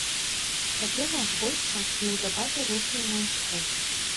Сапега з войска неўзабаве рушыў на ўсход.